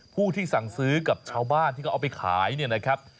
ผู้ที่สั่งซื้อกับชาวบ้านที่เขาเอาไปขายเนี่ยนะครับ